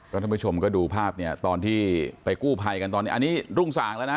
ท่านผู้ชมก็ดูภาพเนี่ยตอนที่ไปกู้ภัยกันตอนนี้อันนี้รุ่งสางแล้วนะ